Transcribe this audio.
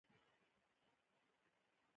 زړه مې د خزان په رنګونو کې ښخ شو.